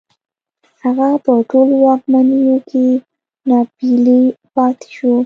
هغه په ټولو واکمنيو کې ناپېيلی پاتې شو